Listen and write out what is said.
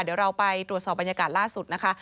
เดี๋ยวเราไปตรวจสอบบรรยากาศล่าสุดนะคะ